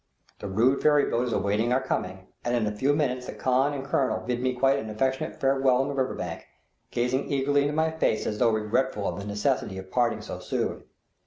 The rude ferry boat is awaiting our coming, and in a few minutes the khan and the colonel bid me quite an affectionate farewell on the river bank, gazing eagerly into my face as though regretful at the necessity of parting so soon.